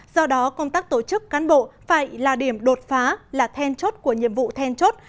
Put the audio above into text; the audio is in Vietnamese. do đó công tác tổ chức cán bộ phải là điểm đột phá là then chốt của nhiệm vụ then chốt